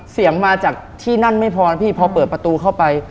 เสียงมาจากที่นั่นไม่พอนะพี่พอเปิดประตูเข้าไป